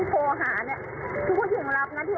ทำให้เราแบบโอ้โหมันหายากขนาดนี้